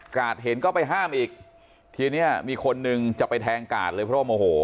เห็นก็ไปห้ามอีกทีเนี้ยมีคนนึงจะไปแทงกาดเลยเพราะว่าโมโห